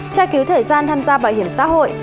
tra cứu thời gian tham gia bảo hiểm xã hội